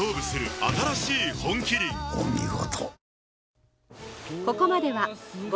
お見事。